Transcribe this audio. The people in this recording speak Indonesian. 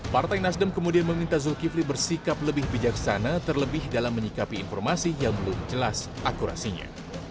partai nasdem kemudian meminta zulkifli bersikap lebih bijaksana terlebih dalam menyikapi informasi yang belum jelas akurasinya